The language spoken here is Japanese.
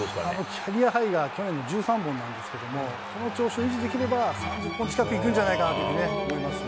キャリアハイは去年の１３本ですが、この調子を維持できれば、３０本近くいけるんじゃないかと思いますね。